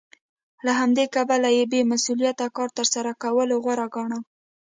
له همدې کبله یې بې مسوولیته کار تر سره کولو غوره ګاڼه